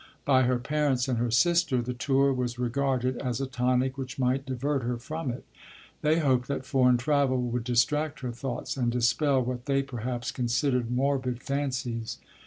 By her parents and her sister the tour was regarded as a tonic which might divert her from it. They hoped that foreign travel would distract her thoughts, and dispel what they perhaps considered morbid fancies.